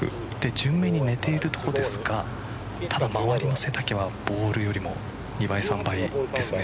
順目に寝ている所ですがただ、周りの背丈はボールよりも２倍、３倍ですね。